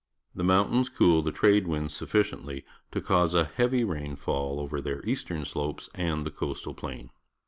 The jnountains. cool Jhe trade winds suffi ciently to cause a heavy rainfall over their eastern slopes and the coastal plain.